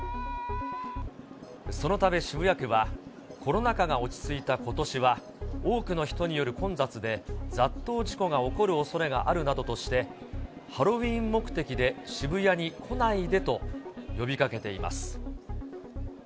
そのため渋谷区は、コロナ禍が落ち着いたことしは、多くの人による混雑で、雑踏事故が起こるおそれがあるなどとして、ハロウィーン目的で、渋谷に来ないでと呼びかけています。